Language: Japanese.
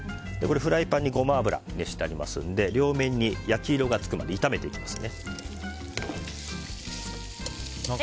フライパンにゴマ油を熱してありますので両面に焼き色がつくまで炒めていきます。